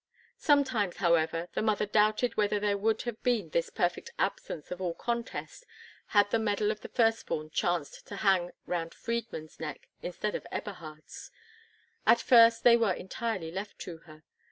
Sometimes however the mother doubted whether there would have been this perfect absence of all contest had the medal of the firstborn chanced to hang round Friedmund's neck instead of Eberhard's. At first they were entirely left to her.